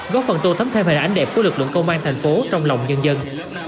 góp phần tô thấm thêm hình ảnh đẹp của lực lượng công an thành phố trong lòng nhân dân